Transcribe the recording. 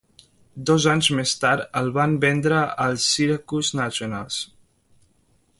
Dos anys més tard el van vendre als Syracuse Nationals.